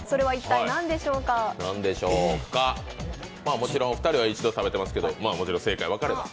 もちろんお二人は一度食べていますけれども、正解が分かれば。